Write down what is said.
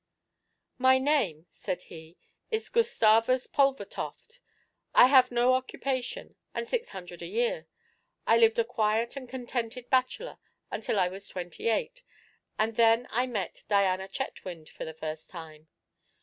'My name,' said he, 'is Gustavus Pulvertoft. I have no occupation, and six hundred a year. I lived a quiet and contented bachelor until I was twenty eight, and then I met Diana Chetwynd for the first time.